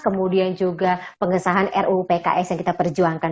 kemudian juga pengesahan ruu pks yang kita perjuangkan